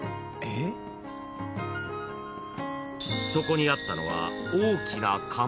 ［そこにあったのは大きな］